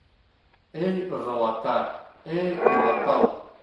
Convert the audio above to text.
Эй ыҙалата, эй илата ул.